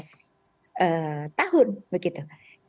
sampai usia di bawah lima belas tahun